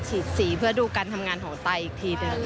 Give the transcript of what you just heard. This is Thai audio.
ฉีดสีเพื่อดูการทำงานของไตอีกทีหนึ่ง